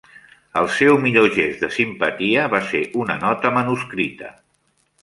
El seu millor gest de simpatia va ser una nota manuscrita.